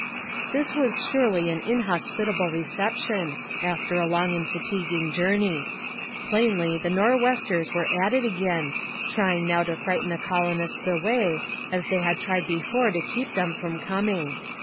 This was surely an inhospitable reception, after a long and fatiguing journey. Plainly the Nor'westers were at it again, trying now to frighten the colonists away, as they had tried before to keep them from coming.